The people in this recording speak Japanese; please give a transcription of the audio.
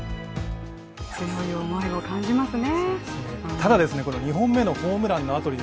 強い思いも感じますね。